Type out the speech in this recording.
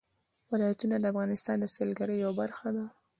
ولایتونه د افغانستان د سیلګرۍ یوه برخه ده.